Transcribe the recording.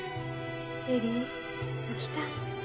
恵里起きた？